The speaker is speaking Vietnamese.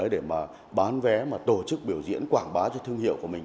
để mà bán vé mà tổ chức biểu diễn quảng bá cho thương hiệu của mình